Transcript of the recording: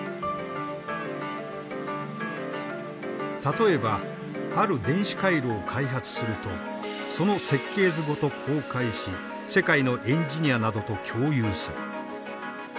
例えばある電子回路を開発するとその設計図ごと公開し世界のエンジニアなどと共有する。